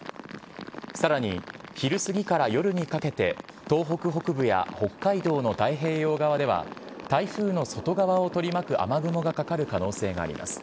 さらに昼過ぎから夜にかけて、東北北部や北海道の太平洋側では、台風の外側を取り巻く雨雲がかかる可能性があります。